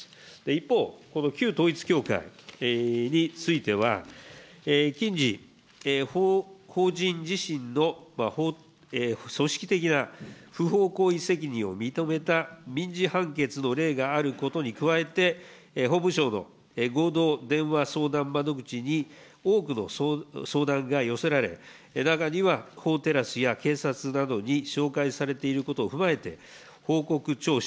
一方、この旧統一教会については、近時、法人自身の組織的な不法行為責任を認めた民事判決の例があることに加えて、法務省の合同電話相談窓口に多くの相談が寄せられ、中には法テラスや検察などにしょうかいされていることを踏まえて、報告ちょう